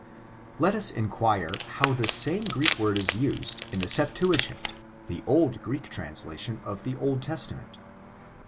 Let us inquire how the same Greek word is used, in the Septuagint — ^the old Greek translation of the Old Testament.